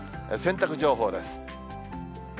洗濯情報です。